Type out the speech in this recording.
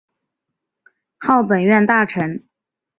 号本院大臣。